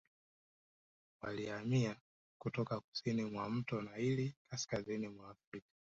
Walihamia kutoka kusini mwa mto Naili kaskazini mwa Afrika